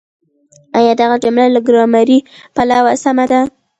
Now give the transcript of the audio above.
آيا دغه جمله له ګرامري پلوه سمه ده؟